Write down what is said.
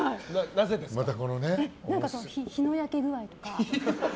日の焼け具合とか。